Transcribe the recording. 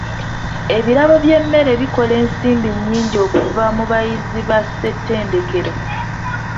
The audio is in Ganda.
Ebirabo by'emmere bikola ensimbi nnyingi okuva mu bayizi ba ssettendekero..